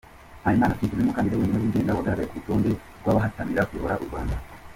Mpayimana Philippe niwe mukandida wenyine wigenga wagaragaye k’urutonde rw’abahatanira kuyobora u Rwanda.